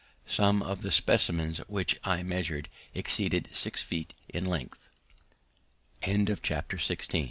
Some of the specimens which I measured exceeded six feet in length. CHAPTER XVII A BOY'S AN